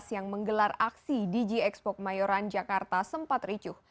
yang menggelar aksi di gxpok mayoran jakarta sempat ricuh